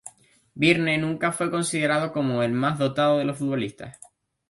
Byrne nunca fue considerado como el más dotado de los futbolistas.